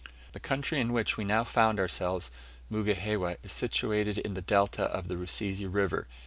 The country in which we now found ourselves, Mugihewa, is situated in the delta of the Rusizi River.